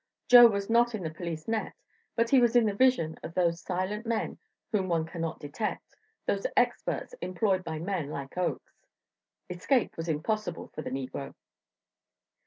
Joe was not in the police net, but he was in the vision of those silent men whom one cannot detect those experts employed by men like Oakes. Escape was impossible for the negro.